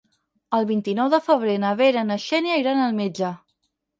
El vint-i-nou de febrer na Vera i na Xènia iran al metge.